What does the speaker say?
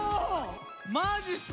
マジっすか。